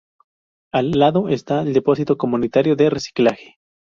Al lado está el depósito comunitario de reciclaje.